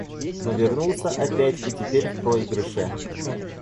Но вернулся опять и теперь в проигрыше.